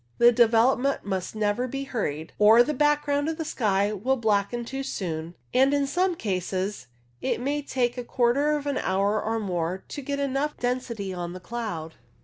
The development must never be hurried, or the back ground of sky will blacken too soon, and in some cases it may take a quarter of an hour or more to get enough density on the cloud.